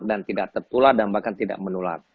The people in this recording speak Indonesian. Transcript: dan tidak tertular dan bahkan tidak menular